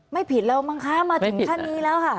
ไม่ผิดแล้วมั้งคะมาถึงขั้นนี้แล้วค่ะ